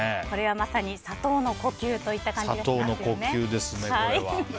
これはまさに砂糖の呼吸といった感じですか。